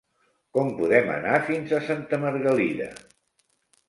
Com podem anar fins a Santa Margalida?